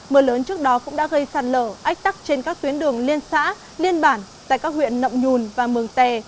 mưa lớn trước đó cũng đã gây sạt lở ách tắc trên các tuyến đường liên xã liên bản tại các huyện nậm nhùn và mường tè